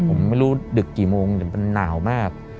ผมไม่รู้ดึกกี่โมงแต่มันหนาวมาก